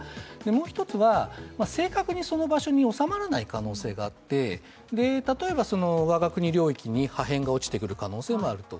もう１つは正確にその場所に収まらない可能性があって、例えば我が国領域に破片が落ちてくる可能性もあると。